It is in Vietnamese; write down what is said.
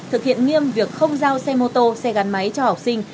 thực hiện nghiêm việc không giao xe mô tô xe gắn máy cho học sinh